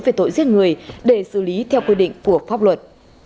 về tội giết người để xử lý theo quy định của pháp luật